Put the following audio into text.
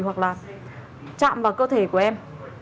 hoặc là chạm vào cơ thể của em